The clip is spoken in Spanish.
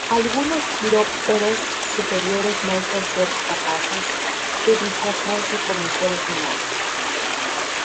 Algunos quirópteros superiores muestran ser capaces de disfrazarse como seres humanos.